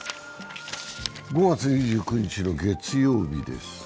５月２９日の月曜日です。